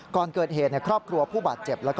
ก่อนเกิดเหตุครอบครัวผู้บาดเจ็บ